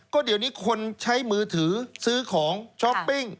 ก็เดี๋ยวนี้คนใช้มือถือซื้อของช้อปปิ้ง